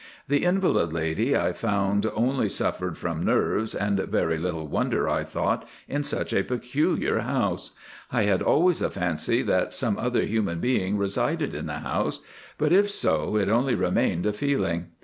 The invalid lady I found only suffered from nerves, and very little wonder, I thought, in such a peculiar house. I had always a fancy that some other human being resided in the house; but if so, it only remained a feeling.